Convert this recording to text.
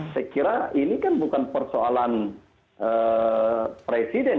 saya kira ini kan bukan persoalan presiden